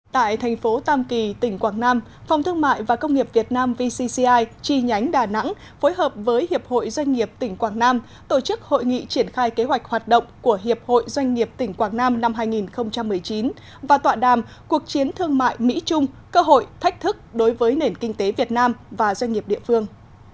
tại thành phố tam kỳ tỉnh quảng nam phòng thương mại và công nghiệp việt nam vcci chi nhánh đà nẵng phối hợp với hiệp hội doanh nghiệp tỉnh quảng nam tổ chức hội nghị triển khai kế hoạch hoạt động của hiệp hội doanh nghiệp tỉnh quảng nam năm hai nghìn một mươi chín và tọa đàm cuộc chiến thương mại mỹ trung cơ hội thách thức đối với nền kinh tế việt nam và doanh nghiệp địa phương